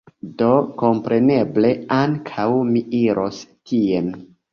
Do, kompreneble, ankaŭ mi iros tien